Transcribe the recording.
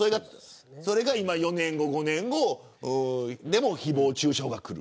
それが４年後５年後でも誹謗中傷がくる。